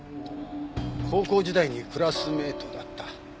高校時代にクラスメートだった。